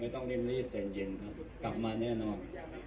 ไม่ต้องใช้ปื้นซี่เต็มเย็นครับออกมาแน่นอน